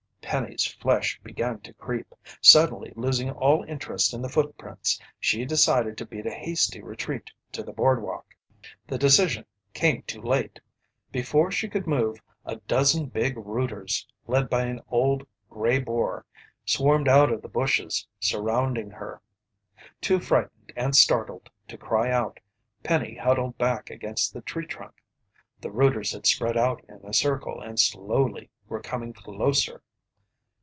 Penny's flesh began to creep. Suddenly losing all interest in the footprints, she decided to beat a hasty retreat to the boardwalk. The decision came too late. Before she could move, a dozen big rooters led by an old gray boar, swarmed out of the bushes, surrounding her. Too frightened and startled to cry out, Penny huddled back against the tree trunk. The rooters had spread out in a circle and slowly were coming closer.